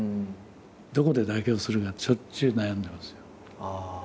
どこで妥協するかってしょっちゅう悩んでますよ。